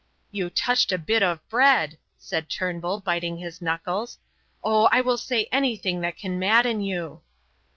"You touched a bit of bread," said Turnbull, biting his knuckles. "Oh, I will say anything that can madden you!"